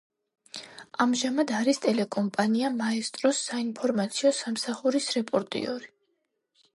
ამჟამად არის ტელეკომპანია მაესტროს საინფორმაციო სამსახურის რეპორტიორი.